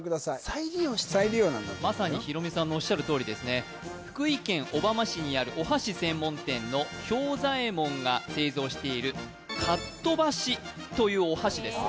再利用してるんだ再利用なんだと思うよまさにヒロミさんのおっしゃるとおりですね福井県小浜市にあるお箸専門店の兵左衛門が製造しているかっとばし！！というお箸です